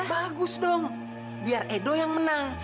bagus dong biar edo yang menang